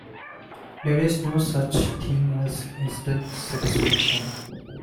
There is no such thing as instant satisfaction.